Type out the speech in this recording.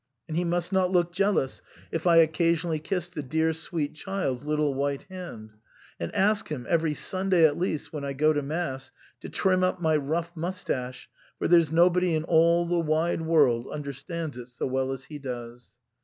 And he must not look jealous if I occasionally kiss the dear sweet child's little white hand ; and ask him — every Sunday, at least when I go to Mass, to trim up my rough moustache, for there's nobody in all the wide world understands it so well as he does."